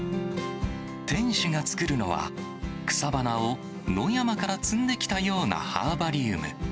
店主が作るのは、草花を野山から摘んできたようなハーバリウム。